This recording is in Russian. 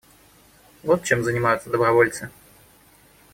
Вот чем занимаются добровольцы.